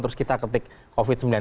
terus kita ketik covid sembilan belas